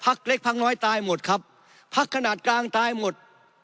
เล็กพักน้อยตายหมดครับพักขนาดกลางตายหมด